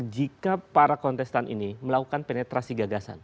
jika para kontestan ini melakukan penetrasi gagasan